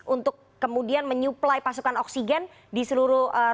untuk kemudian menyuplai pasukan oksigen di seluruh negara